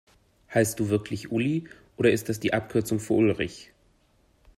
Heißt du wirklich Uli, oder ist das die Abkürzung für Ulrich?